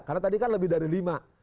karena tadi kan lebih dari lima